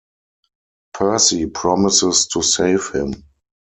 Percy promises to save him.